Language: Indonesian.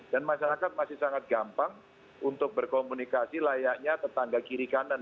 dan masyarakat masih sangat gampang untuk berkomunikasi layaknya tetangga kiri kanan